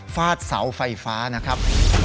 ฟาดเสาไฟฟ้านะครับ